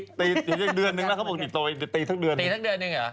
เดี๋ยวเดือนนึงแล้วเขาบอกว่ามาติดต่อยจะตีทั้งเดือนนึง